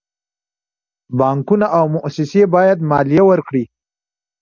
بانکونه او موسسې باید مالیه ورکړي.